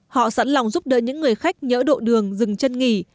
họ sẵn lòng giúp đỡ những người khách nhỡ độ đường dừng chân nghỉ